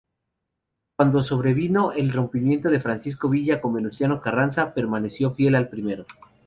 Cuando sobrevino el rompimiento de Francisco Villa con Venustiano Carranza permaneció fiel al primero.